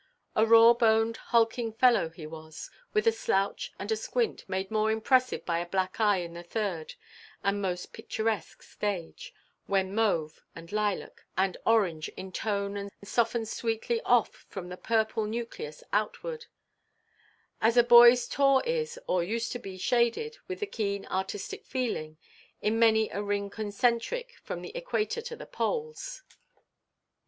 A raw–boned, hulking fellow he was, with a slouch and a squint, made more impressive by a black eye in the third and most picturesque stage, when mauve, and lilac, and orange intone and soften sweetly off from the purple nucleus outward; as a boyʼs taw is, or used to be, shaded, with keen artistic feeling, in many a ring concentric, from the equator to the poles.